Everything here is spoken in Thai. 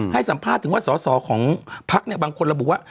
ให้สัมภาษณ์ถึงว่าสอสอของพักบางคนระบุว่า